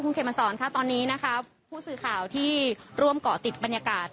คุณเขมสอนค่ะตอนนี้นะคะผู้สื่อข่าวที่ร่วมเกาะติดบรรยากาศ